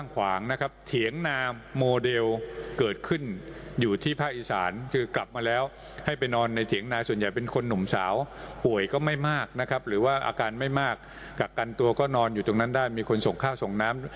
ก็นอนอยู่ตรงนั้นได้มีคนส่งข้าวส่งน้ำ